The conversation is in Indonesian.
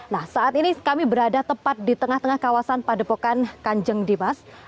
nah saat ini kami berada tepat di tengah tengah kawasan padepokan kanjeng dimas